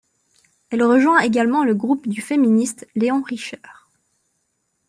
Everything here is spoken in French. Elle rejoint également le groupe du féministe Léon Richer.